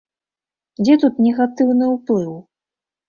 Дзе тут негатыўны ўплыў?